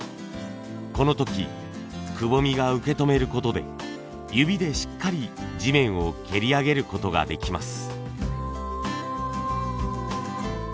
この時くぼみが受け止める事で指でしっかり地面を蹴り上げる事ができます。